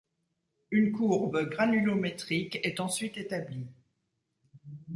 Une courbe granulométrique est ensuite établie.